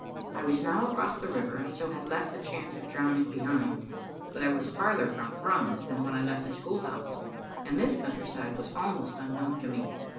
I was now across the river, and so had left the chance of drowning behind, but I was farther from Thrums than when I left the school house, and this countryside was almost unknown to me.